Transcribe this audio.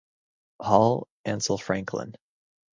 Hall, Ansel Franklin.